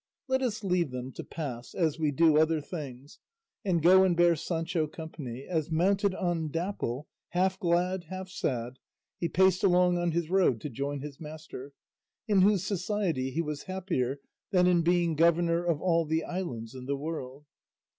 Let us leave them to pass as we do other things, and go and bear Sancho company, as mounted on Dapple, half glad, half sad, he paced along on his road to join his master, in whose society he was happier than in being governor of all the islands in the world.